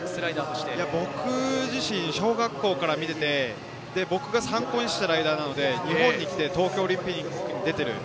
僕自身、小学校から見ていて僕が参考にしたライダーなので、東京オリンピックに出ている。